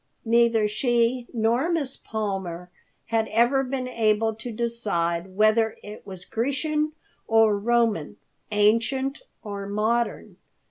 Neither she nor Miss Palmer had ever been able to decide whether it was Grecian or Roman, ancient or modern.